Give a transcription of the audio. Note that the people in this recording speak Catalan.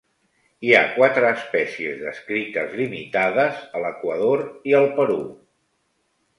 Hi ha quatre espècies descrites limitades a l'Equador i el Perú.